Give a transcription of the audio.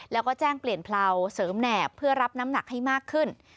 แล้วก็แจ้งเปลี่ยนเพลาเสริมแหนบเพื่อรับน้ำหนักให้มากขึ้น